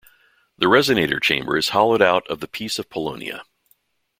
The resonator chamber is hollowed out of the piece of paulownia.